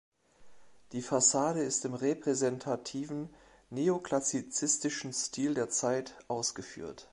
Die Fassade ist im repräsentativen, neoklassizistischen Stil der Zeit ausgeführt.